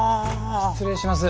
失礼します。